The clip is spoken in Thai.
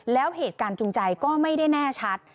แล้วเหตุการณ์จูงใจก็ไม่ได้แน่ชัด